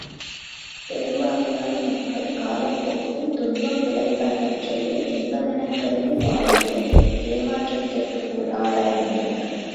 பெரும்பான்மையான மக்கள் காலப்போக்கில் துன்பம் விளைப்பனவற்றையே இன்பமெனக் கருதி வாழ்ந்து ஏமாற்றத்திற்கு ஆளாகின்றனர்.